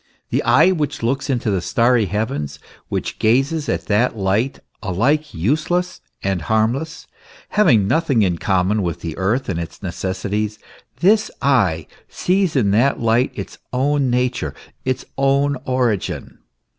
The eye which looks into the starry heavens, which gazes at that light, alike useless and harmless, having nothing in common with the earth and its necessities this eye sees in that light its own nature, its own origin.